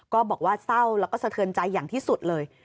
บอกว่าเศร้าแล้วก็สะเทือนใจอย่างที่สุดเลย